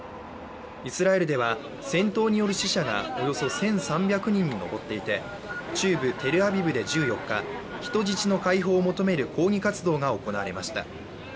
イスラエルでは戦闘による死者がおよそ１３００人に上っていて中部テルアビブで１４日人質の解放を求める抗議活動が行われました。